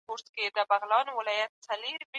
ډېر مصرف د ماشومانو لپاره خطرناک دی.